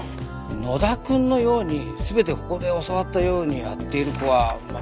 野田くんのように全てここで教わったようにやっている子は珍しい。